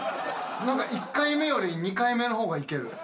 何か１回目より２回目の方がいける。